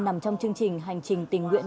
nằm trong chương trình hành trình tình nguyện